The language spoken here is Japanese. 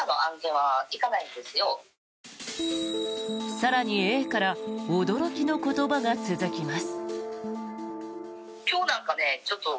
更にＡから驚きの言葉が続きます。